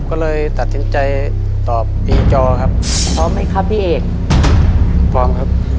ก็เลยตัดสินใจตอบปีจอครับพร้อมไหมครับพี่เอกพร้อมครับ